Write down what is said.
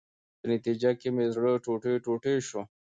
په نتیجه کې مې زړه ټوټې ټوټې شو.